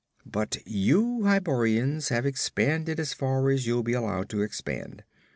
But you Hyborians have expanded as far as you'll be allowed to expand.